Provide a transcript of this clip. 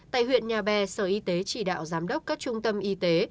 tại huyện nhà bè sở y tế chỉ đạo giám đốc các trung tâm y tế